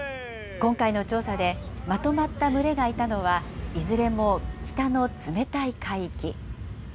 今回の調査で、まとまった群れがいたのは、いずれも北の冷たい海域。